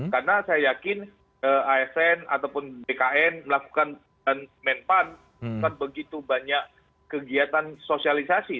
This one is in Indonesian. karena saya yakin asn ataupun bkn melakukan men pan bukan begitu banyak kegiatan sosialisasi